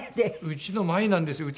うちの前なんですよ。